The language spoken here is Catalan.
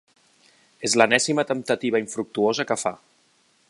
És l'enèsima temptativa infructuosa que fa.